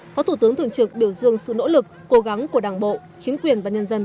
phó thủ tướng thường trực biểu dương sự nỗ lực cố gắng của đảng bộ chính quyền và nhân dân